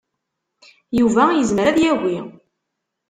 Yuba yezmer ad yagi.